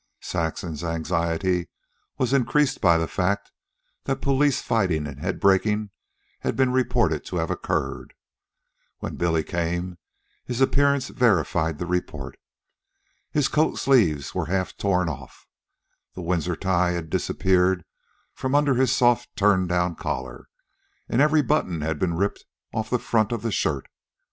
Saxon's anxiety was increased by the fact that police fighting and head breaking had been reported to have occurred. When Billy came, his appearance verified the report. His coatsleeves were half torn off. The Windsor tie had disappeared from under his soft turned down collar, and every button had been ripped off the front of the shirt.